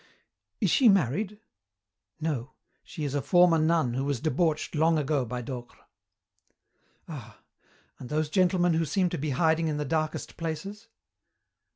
"Is she married?" "No. She is a former nun who was debauched long ago by Docre." "Ah. And those gentlemen who seem to be hiding in the darkest places?"